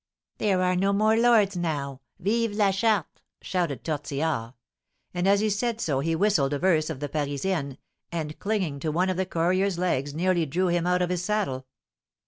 "There are no more lords now. Vive la Charte!" shouted Tortillard; and as he said so he whistled a verse of the "Parisienne," and clinging to one of the courier's legs nearly drew him out of his saddle.